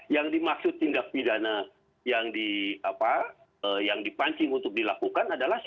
yang dimaksud tindak pidana yang dipancing untuk dilakukan adalah